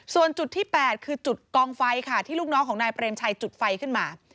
ส่วนจุดที่๘คือจุดกองไฟค่ะที่ลูกน้องของนายเปรมชัยจุดไฟขึ้นมา